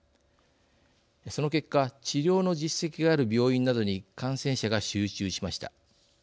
その結果治療の実績がある病院などに感染者が集中しました。